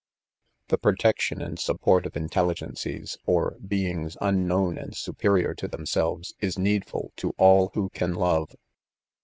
. .The protection and support of inteUigeneies, or beings ^unknown and superior to themselves* is needful to all who.canhve!